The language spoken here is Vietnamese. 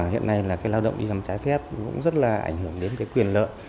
hiện nay là lao động đi làm trái phép cũng rất là ảnh hưởng đến quyền lợi